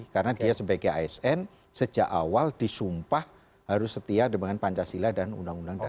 karena dia sebagai asn sejak awal disumpah harus setia dengan pancasila dan undang undang dasar empat puluh lima